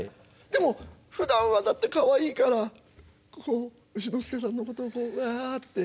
でもふだんはだってかわいいからこう丑之助さんのことをこうわって。